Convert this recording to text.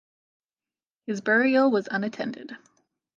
His burial was unattended.